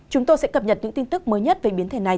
chúng tôi sẽ cập nhật những tin tức mới nhất về biến thể này